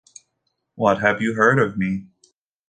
What have you heard of me?